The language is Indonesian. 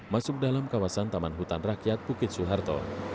masuk dalam kawasan taman hutan rakyat bukit suharto